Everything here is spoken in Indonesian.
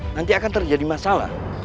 nanti akan terjadi masalah